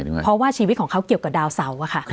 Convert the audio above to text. เพราะว่าชีวิตของเขาเกี่ยวกับดาวเสาอะค่ะ